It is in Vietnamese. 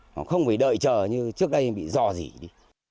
không phải đợi chờ như trước đây bị dò gì đi